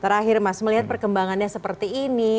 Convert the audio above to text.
terakhir mas melihat perkembangannya seperti ini